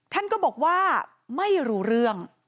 ท่านก็บอกว่าไม่รู้เรื่อง